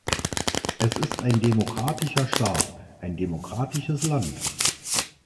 Es ist ein demokratischer Staat, ein demokratisches Land.